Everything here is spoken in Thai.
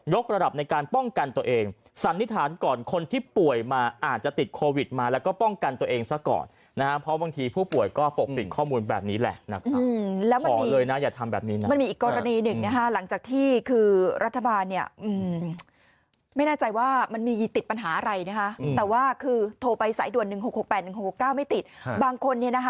ยกระดับในการป้องกันตัวเองสันนิษฐานก่อนคนที่ป่วยมาอาจจะติดโควิดมาแล้วก็ป้องกันตัวเองซะก่อนนะฮะเพราะบางทีผู้ป่วยก็ปกปิดข้อมูลแบบนี้แหละนะครับอืมแล้วมันเลยนะอย่าทำแบบนี้นะมันมีอีกกรณีหนึ่งนะฮะหลังจากที่คือรัฐบาลเนี่ยอืมไม่น่าใจว่ามันมีติดปัญหาอะไรนะฮะอืมแต่ว่าค